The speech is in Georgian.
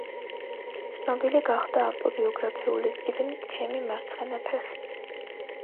ცნობილი გახდა ავტობიოგრაფიული წიგნით „ჩემი მარცხენა ფეხი“.